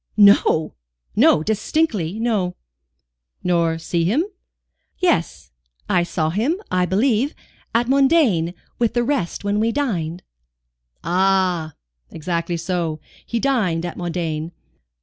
"No, no distinctly no." "Nor see him?" "Yes, I saw him, I believe, at Modane with the rest when we dined." "Ah! exactly so. He dined at Modane.